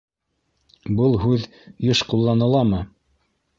Был һүҙ йыш ҡулланыламы?